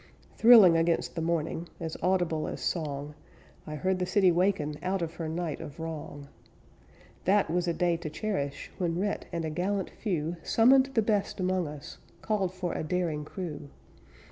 Thrilling against the morning, As audible as song, I heard the city waken Out of her night of wrong. That was a day to cherish When Rhett and a gallant few Summoned the best among us; Called for a daring crew.